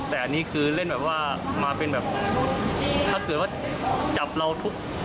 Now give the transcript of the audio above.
แต่อันนี้คือเล่นแบบว่ามาเป็นแบบถ้าเกิดว่าจับเราทุบ